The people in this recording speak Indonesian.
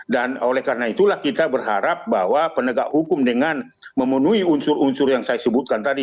dan oleh karena itulah kita berharap bahwa penegak hukum dengan memenuhi unsur unsur yang saya sebutkan tadi